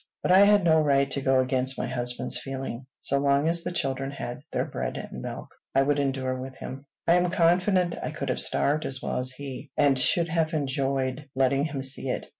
But I had no right to go against my husband's feeling. So long as the children had their bread and milk, I would endure with him. I am confident I could have starved as well as he, and should have enjoyed letting him see it.